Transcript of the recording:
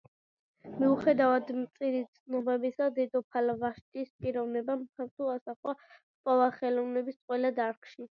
მიუხედავად მწირი ცნობებისა, დედოფალ ვაშტის პიროვნებამ ფართო ასახვა ჰპოვა ხელოვნების ყველა დარგში.